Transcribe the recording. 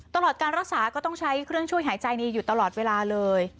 ตลอดการรักษาก็ต้องใช้เครื่องช่วยหายใจนี้อยู่ตลอดเวลาเลย